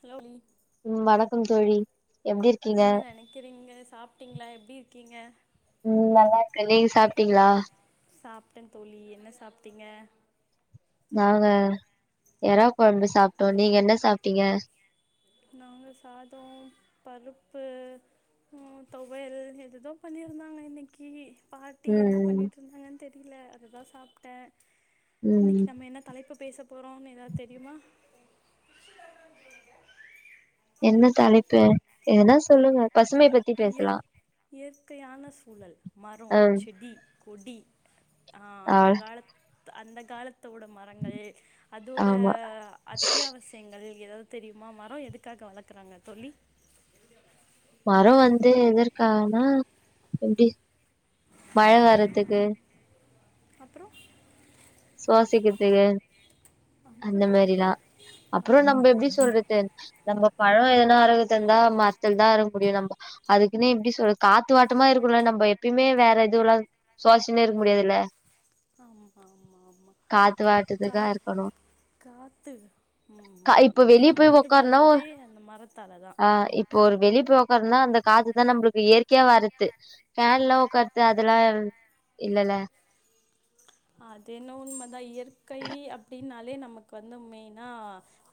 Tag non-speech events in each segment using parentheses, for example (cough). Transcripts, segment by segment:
தோழி ம் வணக்கம் தோழி எப்டிருக்கீ என்ன நெனைக்கிறீங்க சாப்ட்டீங்ளா எப்டிருக்கீங்க ம் நல்லாருக்கே நீங்க சாப்ட்டீங்ளா சாப்ட்டே தோழி என்ன சாப்ட்டீங்க நாங்க எறா கொழம்பு சாப்ட்டோ நீங்க என்ன சாப்ட்டீங்க நாங்க சாதோ பருப்பு உ தோவையல் ஏதேதோ பண்ணீர்ந்தாங்க இன்னிக்கு பாட்டி என்ன ம் ம் பண்ணிட்ருந்தாங்கனு தெரில அததா சாப்ட்டே இன்னிக்கு ம் நம்ம என்ன தலைப்பு பேச போறோ னு எதாது தெரியுமா என்ன தலைப்பு எதுனா சொல்லுங்க பசுமை பத் இயற்க் இயற்கையான சூழல் மரோ அ செடி கொடி ஆ அந்த காலத் அந்த காலத்தோட மரங்கள் அதோட ஆமா அத்தியாவசியங்கள் ஏதாது தெரியுமா மரோ எதுக்காக வளக்குறாங்க தோழி மரோ வந்து எதர்காகனா எப்டி மழ வரத்துக்கு அப்றோ சுவாசிக்கிற்துக்கு அந்த அப்புறம் மேரிலா அப்றோ நம்ப அப்படிங்களா எப்டி சொல்ற து நம்ப பழோ எதுனா அறுக்குதந்தா மரத்துல்தா அறுக்முடியு நம்ப அதுக்குன்னு எப்டி சொல் காத்து வாட்டமா இருக்குல்ல நம்ப எப்பிமே வேற எதுவுலாது சுவாச்சினே இருக்க முடியாதுல்ல ஆமா ஆமா ஆமா காத்து வாட்டுக்குதா இருக்கணு காத்து ம் கா ம் இப்ப எப்டி வெளிய நம்ம போய் உயிர் உக்காருனா வாழ்றதே அந்த மரத்தால தா ஆ இப்போ ஒரு வெளிய போய் ஒக்காற்னா அந்த காத்துதா நம்ளுக்கு இயற்கையா வர்ரத்து ஃபேன்லா உக்கார் து அதலா இல்லல்ல அது என்னோ உண்மதா இயற்கை அப்டின்னாலே நமக்கு வந்து மெய்னா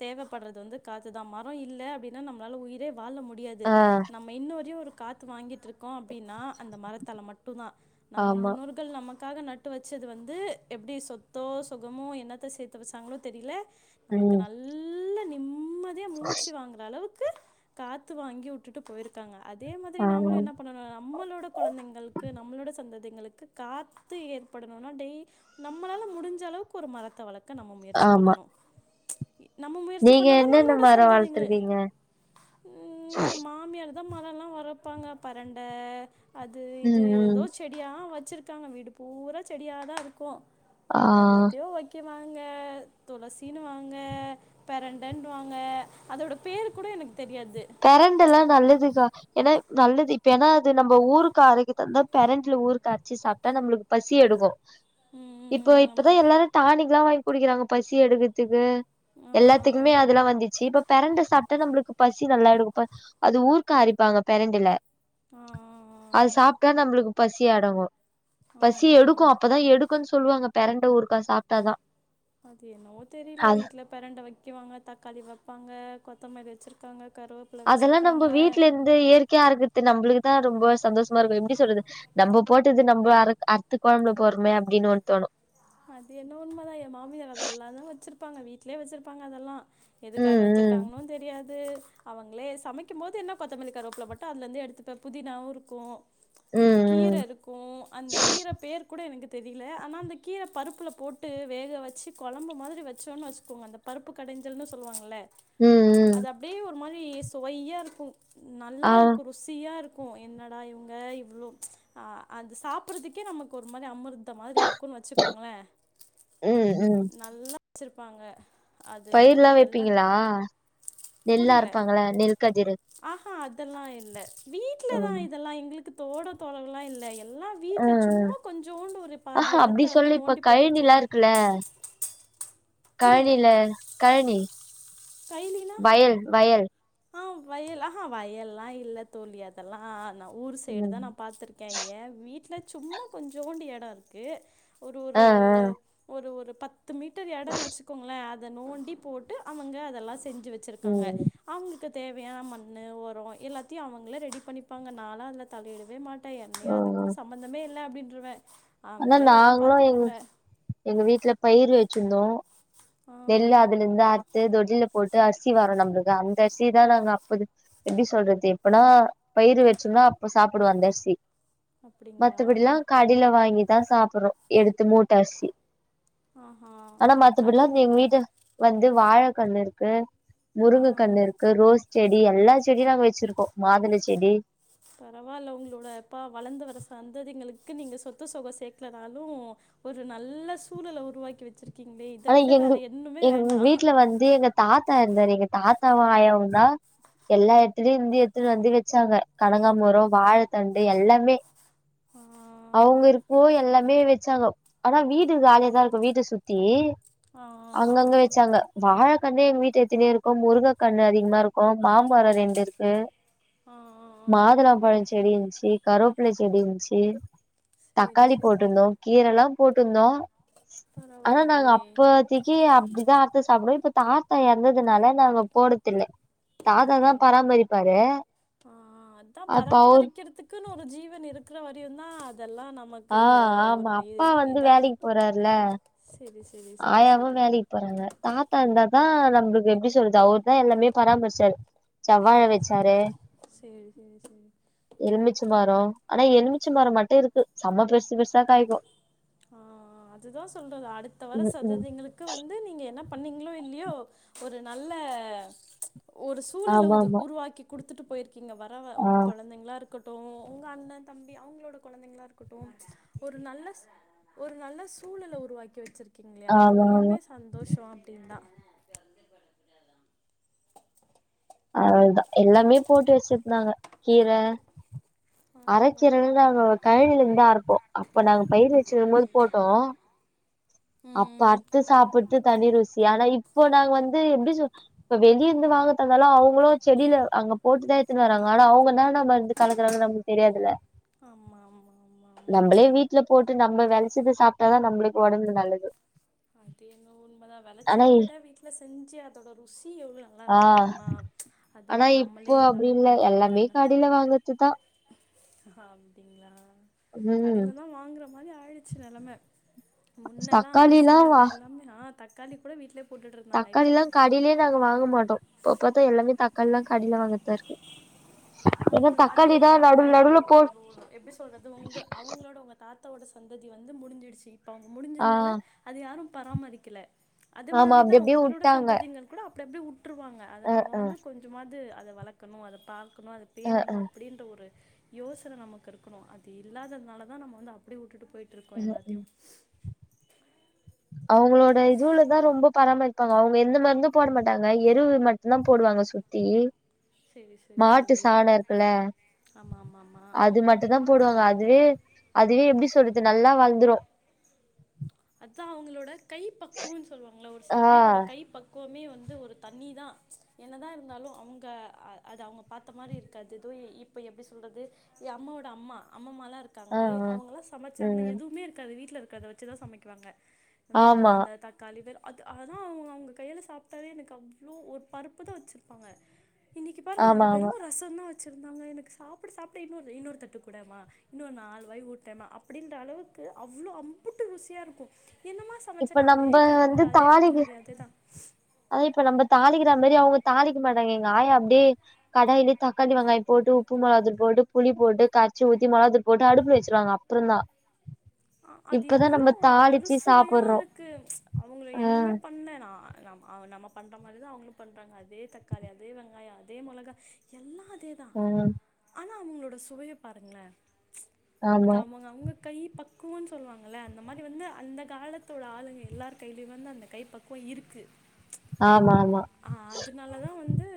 தேவைப்பட்றது வந்து காத்துதா மரோ இல்ல அப்டினா நம்ளால உயிரே வாழ முட் முடியாது ஆ நம்ம இன்ன வரையு ஒரு காத்து வாங்கிட்ருக்கோ அப்டினா அந்த மரத்தால மட்டு தா நம்ம ஆமா முன்னோர் கள் நமக்காக நட்டு வச்சது வந்து எப்டி சொத்தோ சொகமோ என்னத்த சேத்து வச்சாங்ளோ தெரியில நமக்கு ம் நல்ல்ல நிம்மதியா மூச்சு வாங்க அளவுக்கு காத்து வாங்கி உட்டுட்டு போயிருக்காங்க அதே மாதிரி ஆமா நம்மளு என்ன பண்ணணு நம்மளோடக் கொழந்தைங்களுக்கு நம்மளோட சந்ததிங்களுக்கு காத்து ஏற்படணுனா டெய் நம்மளால முடிஞ்சளவுக்கு ஒரு மரத்த வளக் க்க நம்ம முயற்சி ஆமா பண்ணணு நம்ம முயற்சி நீங்க பண்ணாதா என்னென்ன நம்மளோட மரோ சந்ததிங்கள் வளத்துருக்கீங்க ம் ஏ மாமியார் ந்த மரல்லா வரப்பாங்க பெரண்ட அது இது ம் ம் ஏதோ செடியா வச்சிருக் க்காங்க வீடு பூரா செடியா தா இருக்கு ஆ என்னன்னத்தையோ வக் க்கி வாங்க துளசினுவாங்க பெரண்டன்டுவாங்க அதோட பேரு கூட எனக்கு தெரியாது பெரண்டல்லா நல்லதுக்கா ஏனா நல்லது இப்ப ஏனா அது நம்ம ஊருக்கா ஆரோக்தந்தா பெரண்ட்ல ஊருக்கா அரச்சு சாப்ட்டா நம்ளுக்கு பசி எடுக்கு இப்ப ம் இப்பதா அப்ற எல்லாரு டானிக்கல்லா வாங்கி குடிக்கிறாங்க பசி எடுக்கறதுக்கு ஆ எல்லாத் துக்குமே அதெல்லா வந்துச்சு இப்ப பெரண்ட சாப்ட்டா நம்ளுக்கு ப சி நல்லா எடுக்குப்ப அது ஊர்க்கா அரைப்பாங்க பெரண்டைல ஆ ஆ ஆ அது சாப்ட்டா நமளுக்கு பசி அடங்கு பசி ஆஹா எடுக்கு அப்பதா எடுக் கு சொல்லுவாங்க பெரண்ட ஊர்க்கா சாப் அது என்னவோ தெரியில அது வீட்ல பெரண்ட வக்குவாங்க தக்காளி வப்பாங்க கொத்தமது வச்சிருக்காங்க கருவப் அதெல்லா நம்ம வீட்லயிந்து இயற்கையா இருக்குது நம்மளுக்குதா ரொம்ப சந்தோஷமா இருக்கு எப்டி சொல்றது நம்ம போட்டது நம்ம அர அர்த்து கொழம்புல போட்றோமே அப்டின்னு ஒன்னு தோணு அது என்னவோ உண்மதா ஏ மாமியார் அதெல்லாதா வச்சிருப்பாங்க வீட்லே வச்சிருப்பாங்க அதெல்லா ம், எதுக்காக ம், வச்சிருக்காங்கனு தெரியாது அவுங்களே சமைக்குபோது என்ன கொத்தமல்லிக் கருவப்பில மட்டு அதுலேந்து எடுத்துப்பே புதினாவு இருக்கு கீர ம், ம், இருக்கு அந்த கீர பேர் கூட எனக்கு தெரியில ஆனா அந்த கீர பருப்புல போட்டு வேக வச்சு கொழம்பு மாதிரி வச்சோன்னு வச்சுக்கோங்க அந்த பருப்பு கடைஞ்சல்ன்னு சொல்லுவாங்கள்ல ம், ம். அது அப்டியே ஒரு மாரி சுவையாருக்கு ஆ, நல்லாருக்கு ரு ருசியா இருக்கு என்னடா இவுங்க இவ்ளோ அது சாப்டறதுக்கே நமக்கு ஒரு மாரி அமிர்தம் மாதிரி இருக் க்குன்னு வச்சுக்கோங்களே ம், ம். நல்லா வச்சிர்ப்பாங்க பயிர்லா வப்பீங்ளா நெல்லா புரியல அர்ப்பாங்கள நெல் கதிரு ஆஹா அதெல்லா இல்ல வீட்ல தா ம், இதெல்லா எங்களுக்கு தோடோ தொரல்லா இல்ல எல் எல்லா ம், வீட்ல ம். சும்மா கொஞ்சோண்டு ஒரு பாதி ஆஹா, எடத் அப்டி சொல்லு இப்ப கழுனிலா இருக்குல புரியல கழுனில கழுனி கைனீனா வயல் வயல் ஆ வயலா ஆஹா வயல்லா இல்ல தோழி அதெல்லா நா ஊர் சைடு ம். தா நா பாத்துருக் க்கே ஏ வீட்ல சும்மா கொஞ்சோண்டு எடொ இருக்கு ஒரு ஆ, ஒரு ஆ. ஒரு ஒரு பத்து மீட்டர் எடோன்னு வெச்சுக்கோங்களே அத நோண்டி போட்டு அவங்க அதெல்லா செஞ்சு வெச் சுருக்காங்க ம், அவுங்குளுக்கு தேவையான மண்ணு ஒரோ எல்லாத்தயு அவுங்களே ரெடி பண்ணிப்பாங்க நாலா அதுல தலயிடவே மாட் ட என்னயோ அதுக்கு ம். சம்பந்தமே இல்ல அப்டீன்றுவே ஆனா அவுங்களே அதெல்லா நாங்களும் எங்க பாத்துப்பாங்க எங்க வீட்ல பயிர் வெச்சிர்ந்தோ ஆ நெல்லு அதுலருந்து அறுத்து தொட்டில போட் டு அர்சி வாரோ நம்புளுக்கு அந்த அர்சிதா நாங்க அப்பது எப்டி சொல்றது இப்பனா பயிர் வெச்சுனா அப்ப சாப்டுவோ அந்த அரிசி அப்படிங்களா மத்தபடிலா கடில வாங்கி தா சாப்டுறோ எடுத்து மூட்ட அரிசி ஆஹா ஆனா அது மத்தபடிலா எங்க வீட்டு வந்து வாழக்கண்ணு இருக்கு முருங்க ஆ கண்ணு இருக்கு ரோஸ் செடி எல்லா செடியு நாங்க வெச்சிருக்கோ மாதுள செடி பரவால்ல ஒங்களோடப்பா வளந்து வர சந்ததிங்களுக்கு நீங்க சொத்து சொகோ சேக்கலனாலு ஒரு நல்ல சூழநெல உருவாக்கி வெச்சிருக்கீங்களே இத ஆனா விட எங்க வேற எண்ணுமே எங் வேண்டா வீட்ல வந்து எங்கப் தாத்தா இருந்தாரு எங்க தாத்தாவு ஆயாவுந்தா எல்லா எட்த்துலயு இஞ்சி எட்த்து வந்து வெச்சாங்க கனகாமரோ வாழத்தண்டு எல்லாமே ஆ அவுங்க இருக்கவோ எல்லாமே வெச்சாங்கோ ஆனா வீடு காலியா தா இருக்கோ வீட்ட சுத் தி ஆ அங்கங்க வெச்சாங்க வாழக்கண்ணே எங்க வீட்ல எத்தனையோ இருக்கோ முருங்க கண்ணு அதிகமா இருக்கோ மாமரோ ரெண்டு இருக்கு ஆ ஆ மாதுளோம்பழோ செடி இர்ஞ்சி கருவேப்புல செடி இர்ஞ்சி சேரி தக்காளி சேரி போட்டிருந்தோ கீரல்லா போட்டுர்ந்தோ ஆனா நாங்க பரவாயில்லையே அப் பத்தக்கி அப்டிதா அறுத்து சாப்டுவோ இப்ப தா தாத்தா எறந்ததுனால நாங்க போட்றதில்ல தாத்தாதா அப்படிங் பராமரிப்பாரு ஆ அதா அப்ப அவர் பராமரிப் நமக்குன்னு ஒரு ஜீவன் இருக்குற வரையு தா அதெல்லா நமக்கு ஆ ஆமா ஒன்னு இ அப்பா வந்து இதா வேலைக்கி போறாருல சேரி சேரி சேரி ஆயாவு சேரி வேலிக் போறாங்க தாத்தா இர்ந்தா தா நம்புளுக்கு எப்டி சொல்றது அவருதா எல்லாமே பராமரிச்சாரு செவ்வாழ சேரி வெச்சாரு சேரி சேரி சேரி எலுமிச்ச மரோ ஆனா எலுமிச்ச மரோ மட்டு இருக்கு சம்ம பெர்சு பெர்சா காய்க்கோ ஆ ஆ அதுதா சொல்றது அடுத்த வர ம் ம் சந்ததிகளுக் கு வந்து நீங்க என்ன பண்ணீங்களோ இல்லியோ ஒரு நல்ல ஒரு சூழல ஆமா ஆமா உருவாக்கி குடுத்துட்டு போயிருக்கீங்க வர ஆ ஒங்க கொழந்தைங்களா இருக் கட்டோ ஒங்க அண்ணே தம்பி அவுங்களோட கொழந்தைங்களா இருக்கட்டோ ஒரு நல்ல ஒரு நல்ல சூழநில உருவாக்கி வெச்சிருக்கீங்களே அது ஆமா ஆமா வரையுமே சந்தோஷோ அப்டீன் தா அவ்ளதா எல்லாமே போட்டு வெச்சிருந்தாங்க கீர ஆ அரக்கீரலா அங்க ஒரு கழயில இருந்துதா அரப்போ அப்ப நாங்க பயிர் வெச்சிருக்கும் போது போட்டோ அப்ப ம் அற்த்து சாப்டறது தனி ருசி ஆனா இப்ப நாங்க வந்து எப்டி சொ இப்ப வெளிய இர்ந்து வாங்கற்தா இர்ந்தாலோ அவுங்களோ செடில அங்க போட்டுதா எத்துனு வராங்க ஆனா அவுங்க இன்னான்னா மருந்து கலக்குறாங்க நம்மு தெரியாதுல ஆமா ஆமா ஆமா ஆமா நம்பலே வீட்ல போட்டு நம்ம வெளச்சிது சாப்ட்டாதா நம்மளுக்கு ஒடம்புக்கு நல்லது அது என்னவோ உண்மதா ஆனா வெளச்சத விட வீட்ல செஞ்சி அதோட ருசி எவ்ள ஆ நல்லாயிருக்கு தெரிமா அது ஆனா ஒரு இப்போ நம்மளே அப்டி எல்லாமே இல்ல பண்றோ எல்லாமே அப்டின்னு கடைல வாங்கறதுதா அப்டீங்களா ம் கடைல தா வாங்குற மாரி ஆயிடுச்சி நெலம முன்னெல்லா அரிசி தக்காளிலா கம்மிதா ஆ தக்காளி கூட வீட்ல போட்டுட்டு இருந்தாங்க தக்காளில்லா இப்பல்லா கடையிலயே நாங்க வாங்க மாட்டோ இப்ப பாத்தா எல்லாமே தக்காளிலாம் கடைல வாங்குறது (inaudible) அது அது தா எதுக்காக நடுவுல நடுவுல ஒரு போ ஒரு எப்டி சொல்றது ஒங்க அவுங்களோட தாத்தாவோட சந்ததி வந்து முடிஞ்சிடுச்சி இப்ப அவுங்க ஆ முடிஞ்சதுனால அது யாரு பராமரிக்கல அது ஆமா மாதிரிதா அப்டி அப்டியே உங்களுட வுட்டாங்க சந்ததிங்கள் கூட இருக்கர்து வுட்ருவாங்க அத அ நம்ம அ வந்து கொஞ்சமாவது அத வளக்கணும் அத பாக்கணும் அத அ அ வேணும் அப்டின்ற ஒரு யோசன நமக்கு இருக்கணும் அது இல்லாததுனால தா நம்ம வந்து அப்டி வுட்டுட்டு போயிட்டு விட்ருக்கோ எல்லாத்தையு அவுங்களோட இதுலதா ரொம்ப பராமரிப்பாங்க அவுங்க எந்த மருந்தும் போட மாட்டாங்க எருவு மட்டுதா போடுவாங்க சுத்தி சேரி சேரி மாட்டு சேரி சாணோ இருக்குல்ல ஆமா ஆமா ஆமா அதா போடுவாங்க அது அது எப்டி சொல்றது நல்லா வளந்துரும் அதா அவங்களோட கைப்பக்குவன்னு சொல்லுவாங்கல்ல ஒரு ஆ சில பேரோட கைப்பக் எப்போமே வந்து ஒரு தனி தா என்னதா இருந்தாலும் அவங்க அது அவங்க பாத்த மாறி இருக்காது எதோ இப் எப்டி சொல்றது ஏ அம்மோட அம்மா அம்மம்மாலாம் இருக் ஆ ஆ இருக்காங்களே அவங்கல்லாம் சமச்சாங்கன்னா ம் எதுவுமே இருக்காது வீட்ல இருக்கறத வச்சுதான் சமைக்கறாங்க வெரும் ஆமா அந்த தட் காளிவர் அது அதா அவங்க அவங்க கையால சாப்டாவே எனக்கு அவ்ளோ ஒரு பருப்புதா வச்சிருப்பாங்க இன்றைக்கி பாருங்க ஆமா அவங்க ஆமா வெறும் ரசம் தான் வச்சுருந்தாங்க எனக்கு சாப்ட சாப்ட இன்னொரு இன்னொரு தட்டு குடேமா இன்னொ நாலு வாய் ஊட்டமா அப்டின்ற அளவுக்கு அவ்ளோ அம்புட்டு ருசியா இருக்கும் என்னமா என்ன இப்ப சமச்சன அதே நம்ப வந்து கருவப்பல்ல அதெ தாளிக்கு கொத்தமல்லி அதேதான் அதா இப்ப நம்ம தாளிக்கிறா மாரி அவங்க தாளிக்க மாட்டாங்க எங்க ஆயா அப்டியே கடாய்லேயே தக்காளி வெங்காய போட்டு உப்பு மொளகா‌தூள் போட்டு புளி போட்டு கரச்சி ஊத்தி மொழவா தூள் போட்டு அடுப்புல வச்சிருவாங்க அப்றம் தா ஆ அது எவ்ளோ தாளிச்சு அறுசுவையா சாப்புட்றோ இருக்கு அவங்கள ஆ என்னமே பண்ல நா நம் நம்ம பண்ற மாறி தா அவங்களும் பண்றாங்க அதே தக்காளி அதே வெங்காயம் அதே மொளகா எல்லா அதே தா ஆ ஆனா அவங்களோட சுவைய பாருங்களே அது ஆமா அவங்க அவங்க கை பக் பக்குவன்னு சொல்லுவாங்கள்ல அந்த மாறி வந்து அந்த காலத்தோட ஆளுங்க எல்லார் கைலயும் வந்து அந்த கை பக்குவம் இருக்கு ஆமாமா அ அதனால தா வந்து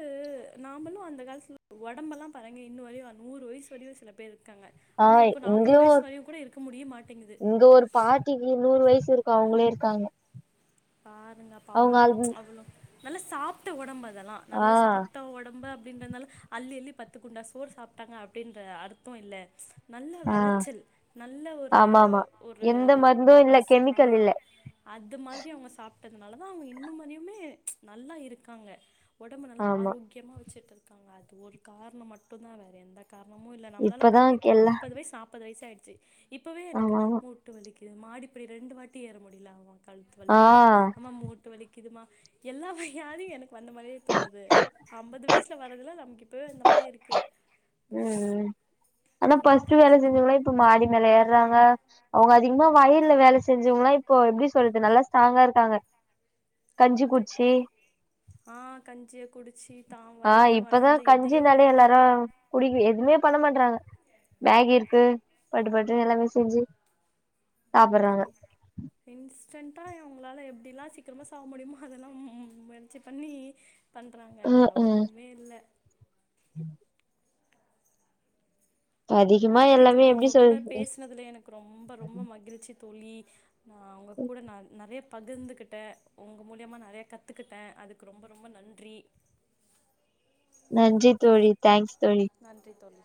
நாமளும் அந்த காலத்துல ஒடம்பெலாம் பாருங்க இன்னு வரையு நூறு வயசு வரையு சில பேர் இருக்காங்க ஆ ஆனா இப்ப நாப்பது இங்கயு வயசு வரையும் கூட இருக்க முடிய மாட் இங்க ஒரு பாட்டிக்கு நூறு வயசு இருக்கு அவங்களே இருக்காங்க பாருங்க அப்ப அவங்க அவ்ளோ அது அவ்ளோ நல்லா சாப்ட ஒடம்பு அதல்லாம் ஆ நல்லா சாப்ட ஒடம்பு அப்டின்றதுனால அள்ளி அள்ளி பத்து குண்டா சோறு சாப்டாங்க அப்டின்ற அர்த்தம் இல்ல நல்ல ஆ வெளச்சல் நல்ல ஒரு ஆமா ஆமா ஒரு எந்த மருந்து இல்ல அரசு கெமிக்கல் இல்ல ஆ அது மாதிரி அவுங்க சாப்டதுனாலதா அவுங்க இன்னுமரையுமே நல்லா இருக்காங்க ஒடம்பு நல்லா ஆமா ஆரோக்கியமா வெச்சுட்ருக்காங்க அது ஒரு காரணோ மட்டுதா வேற எந்த காரணமு இல்ல நம்மளால இப்பதா பாருங்க இப்போ ஒரு எல்லா முப்பது வய்சு நாப்பது வய்சு ஆய்ருச்சு இப்பவே எனக்கு ஆமா ஆமா மூட் டு வலிக்குது மாடிப்படி ரெண்டு வாட்டி ஏற முடில ஆமா கழுத்து ஆ வலிக்குதுமா அம்மா மூட்டு வலிக்குதுமா எல்லா வக வியாதியு எனக்கு வந்த மாரியே தோணுது ஐம்பது வய்சுல வரதுல்லா நமக்கு இப்பவே வந்த மாரியே இருக்கு ம் ம் ஆனா என்ன ஃபஸ்ட் பண்ண வேல சொல்ற செஞ்சங்களா இப்ப மாடி மேல ஏறாங்க அவுங்க அதிகமா வயல்ல வேல செஞ்சோங்கலா இப்போ எப்டி சொல்றது நல்லா ஸ்ட்ராங்கா இருக்காங்க கஞ்சி அது குடிச்சி ஆ கஞ்சிய குடிச்சி ஆ இப்பதா கஞ்சினாலே எல்லாரு குடிக்க எதுமே பண்ண மாட்றாங்க மேகி இருக்கு பட்டு பட்டு எல்லாமே செஞ்சு சாப்பறாங்க ஆ இன்ஸ்டன்டா அவுங்களால எப்டிலா சீக்கிரமா சாவ முடியுமோ அதெல்லா முயற்சி பண்ணி பண்றாங்க வேற ம் ஒன்னுமே இல்ல ம் அதிகமா சேரி எல்லாமே தோழி எப்டி உங்ககூட சொல்றது பேசுனதுல எனக்கு ரொம்ப ரொம்ப மகிழ்ச்சி தோழி நா உங்ககூட நறையா பகிர்ந்துக்குட்டே உங்க மூலியமா நறையா கத்துக்குட்டே அதுக்கு ரொம்ப ரொம்ப நன்றி நன்றி தோழி தேங்க்ஸ் தோழி நன்றி தோழி